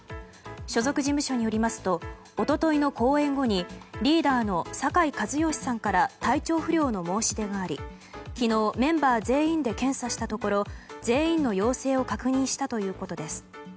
所属事務所によりますと一昨日の公演後にリーダーの酒井一圭さんから体調不良の申し出があり昨日、メンバー全員で検査したところ全員の陽性を確認したということです。